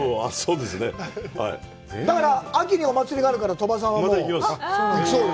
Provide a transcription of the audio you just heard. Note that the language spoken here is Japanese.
だから、秋にお祭りがあるから、鳥羽さんは。また行きます。